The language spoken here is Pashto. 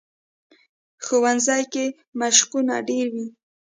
ښوونځی کې مشقونه ډېر وي